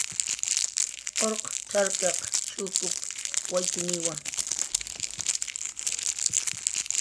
Urq cxarkaq chukup waytniwa